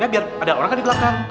ya biar ada orang kan digelapkan